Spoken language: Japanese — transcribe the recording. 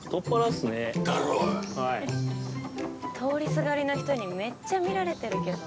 通りすがりの人にめっちゃ見られてるけど。